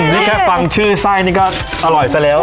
นี่แค่ฟังชื่อไส้นี่ก็อร่อยซะแล้ว